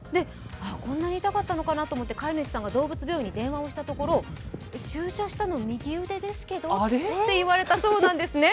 こんなに痛かったのかなと思って飼い主さんが動物病院に電話をしたところ注射したの右腕ですけど？と言われたそうなんですね。